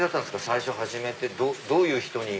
最初始めてどういう人に。